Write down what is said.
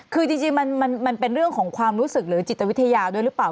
คือจริงมันเป็นเรื่องของความรู้สึกหรือจิตวิทยาด้วยหรือเปล่า